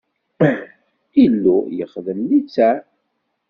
Illu yexdem litteɛ.